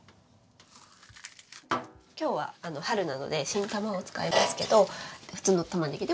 今日は春なので新たまを使いますけど普通のたまねぎでも大丈夫です。